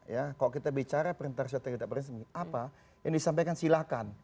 ya kalau kita bicara perintah strategi apa yang disampaikan silakan